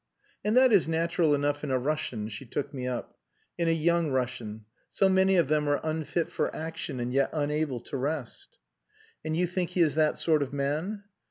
"And that is natural enough in a Russian," she took me up. "In a young Russian; so many of them are unfit for action, and yet unable to rest." "And you think he is that sort of man?"